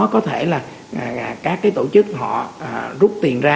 đó có thể là các cái tổ chức họ rút tiền ra